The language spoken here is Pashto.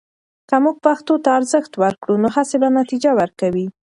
که موږ پښتو ته ارزښت ورکړو، نو هڅې به نتیجه ورکوي.